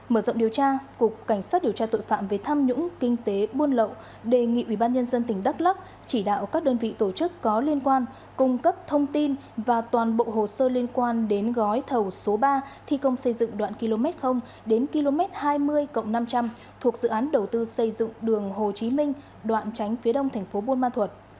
mở rộng điều tra cục cảnh sát điều tra tội phạm về tham nhũng kinh tế buôn lậu đề nghị ubnd tỉnh đắk lắc chỉ đạo các đơn vị tổ chức có liên quan cung cấp thông tin và toàn bộ hồ sơ liên quan đến gói thầu số ba thi công xây dựng đoạn km đến km hai mươi cộng năm trăm linh thuộc dự án đầu tư xây dựng đường hồ chí minh đoạn tránh phía đông tp buôn ma thuật